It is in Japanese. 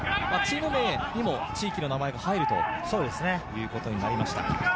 チーム名にも地域の名前が入るということになりました。